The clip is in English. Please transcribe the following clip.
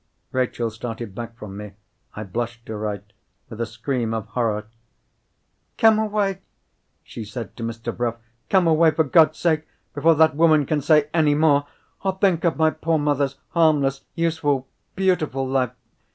Rachel started back from me—I blush to write—with a scream of horror. "Come away!" she said to Mr. Bruff. "Come away, for God's sake, before that woman can say any more! Oh, think of my poor mother's harmless, useful, beautiful life!